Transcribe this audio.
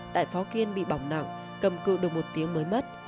đại phó kiên bị bỏng nặng cầm cự được một tiếng mới mất